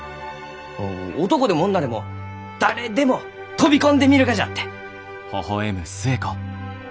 お男でも女でも誰でも飛び込んでみるがじゃって！